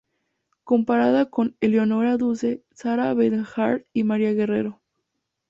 Comparada con Eleonora Duse, Sara Bernhardt y María Guerrero.